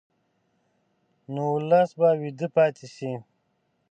نو ولس به ویده پاتې شي.